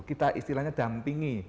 kita istilahnya dampingi